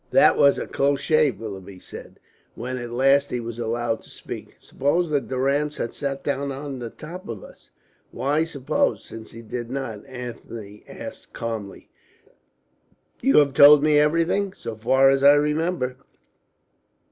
"That was a close shave," Willoughby said, when at last he was allowed to speak. "Suppose that Durrance had sat down on the top of us?" "Why suppose, since he did not?" Ethne asked calmly. "You have told me everything?" "So far as I remember."